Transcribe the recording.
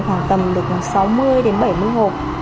công đoạn của mình bán trung bình khoảng tầm được sáu mươi bảy mươi hộp